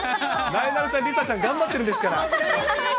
なえなのちゃん、梨紗ちゃん、頑張ってるんですから。